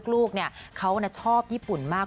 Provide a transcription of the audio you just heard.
ลูกเขาชอบญี่ปุ่นมาก